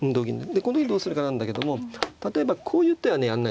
でこの時どうするかなんだけども例えばこういう手はねやんないんですよ。